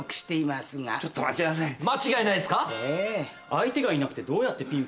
相手がいなくてどうやってピンポンを？